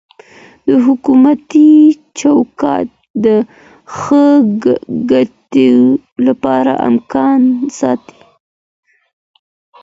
د حکومتي چوکاټ د ښه کیدو لپاره امکان سته.